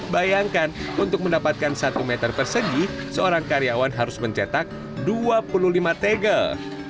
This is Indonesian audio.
bayangkan untuk mendapatkan satu meter persegi seorang karyawan harus mencetak dua puluh lima tegel